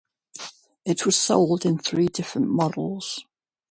It was sold in three different models.